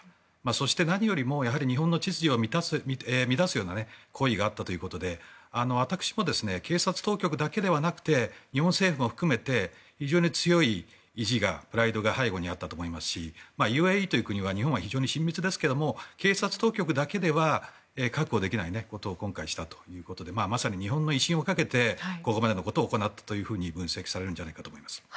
そして何よりも日本の秩序を乱すような行為があったということで私も警察当局だけではなくて日本政府も含めて非常に強い意地が、プライドが背後にあったと思いますしＵＡＥという国は日本は非常に親密ですが警察当局だけでは確保できないことを今回したということでまさに日本の威信をかけてここまでのことを行ったと分析されるんじゃないかと思います。